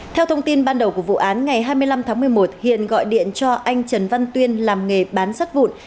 theo thông tin ban đầu của vụ án ngày hai mươi năm tháng một mươi một hiền gọi điện cho anh trần văn tuyên làm nghề bán sắt vụn